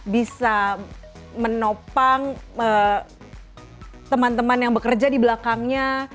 bisa menopang teman teman yang bekerja di belakangnya